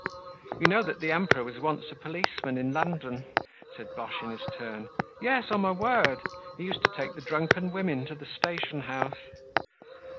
"You know that the Emperor was once a policeman in London," said Boche in his turn. "Yes, on my word! He used to take the drunken women to the station house."